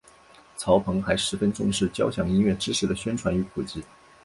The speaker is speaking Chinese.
曹鹏还十分重视交响音乐知识的宣传与普及。